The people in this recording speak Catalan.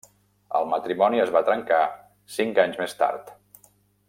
El matrimoni es va trencar cinc anys més tard.